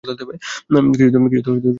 কিছু তো সত্যিই অদ্ভুত জিনিস।